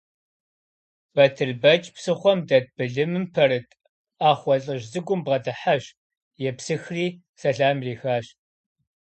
Батырбэч псыхъуэм дэт былымым пэрыт Ӏэхъуэ лӀыжь цӀыкӀум бгъэдыхьэщ, епсыхри сэлам ирихащ.